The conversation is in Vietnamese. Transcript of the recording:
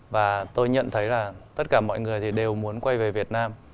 và tôi nhận thấy là tất cả mọi người thì đều muốn quay về việt nam